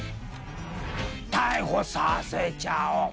逮捕させちゃお！